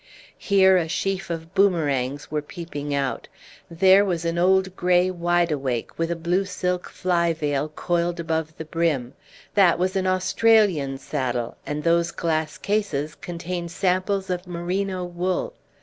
Here a sheaf of boomerangs were peeping out; there was an old gray wide awake, with a blue silk fly veil coiled above the brim; that was an Australian saddle; and those glass cases contained samples of merino wool.